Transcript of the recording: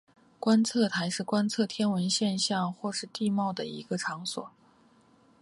观测台是观测天文现象或是地貌的一个场所。